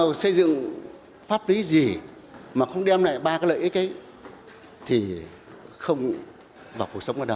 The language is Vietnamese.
nhưng pháp lý gì mà không đem lại ba cái lợi ích ấy thì không vào cuộc sống đó đâu